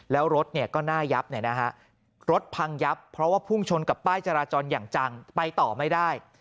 แล้วรถก็หน้ายับรถพังยับเพราะว่าพุ่งชนกับป้ายจราจรอย่างจังไปต่อไม่ได้